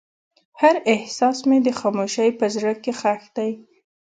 هر احساس مې د خاموشۍ په زړه کې ښخ دی.